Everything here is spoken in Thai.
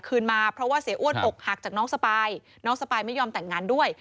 มาเพราะว่าเสียอ้วนอกหักจากน้องสปายน้องสปายไม่ยอมแต่งงานด้วย